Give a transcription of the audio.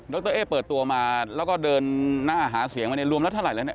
โดรเตอร์เอ๊เปิดตัวมาแล้วก็เดินหน้าหาเสียงบรรณีรวมแล้วเท่าไรดะ